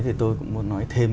thì tôi cũng muốn nói thêm